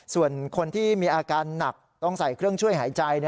ส่วนคนที่มีอาการหนักต้องใส่เครื่องช่วยหายใจ